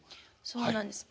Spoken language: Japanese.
そうなんです。